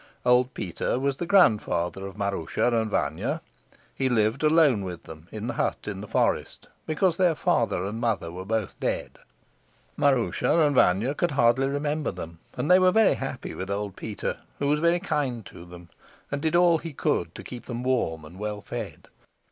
Old Peter was the grandfather of Maroosia and Vanya. He lived alone with them in the hut in the forest, because their father and mother were both dead. Maroosia and Vanya could hardly remember them, and they were very happy with old Peter, who was very kind to them and did all he could to keep them warm and well fed.